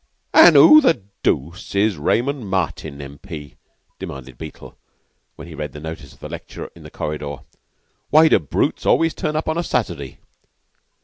"An' who the dooce is this Raymond Martin, M.P.?" demanded Beetle, when he read the notice of the lecture in the corridor. "Why do the brutes always turn up on a Saturday?"